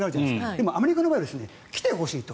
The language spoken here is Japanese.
でも、アメリカの場合は来てほしいと。